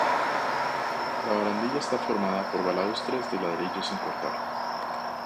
La barandilla está formada por balaustres de ladrillo sin cortar.